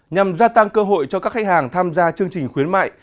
nhằm gia tăng cơ hội cho các khách hàng tham gia chương trình khuyến mại